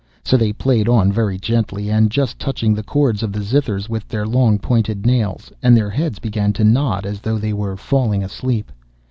So they played on very gently and just touching the cords of the zithers with their long pointed nails, and their heads began to nod as though they were falling asleep.